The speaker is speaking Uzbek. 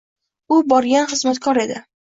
U borgan xizmatkor edi.